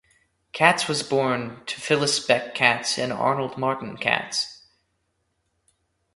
Katz was born to Phyllis Beck Katz and Arnold Martin Katz.